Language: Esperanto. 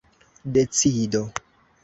decido